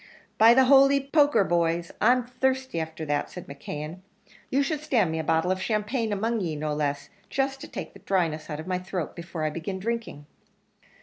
"By the holy poker, boys, I'm thirsty after that," said McKeon; "you should stand me a bottle of champagne among ye, no less just to take the dryness out of my throat, before I begin drinking."